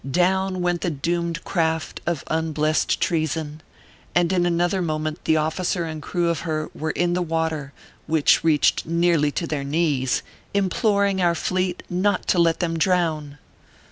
Down went the doomed craft of unblest treason, and in another moment the officer and crew of her were in the water, which reached nearly to their knees, imploring our fleet not to let them drown.